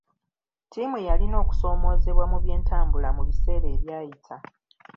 Ttiimu yalina okusoomoozebwa mu byentambula mu biseera ebyayita.